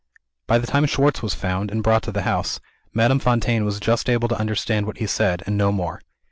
By the time Schwartz was found, and brought to the house, Madame Fontaine was just able to understand what he said, and no more.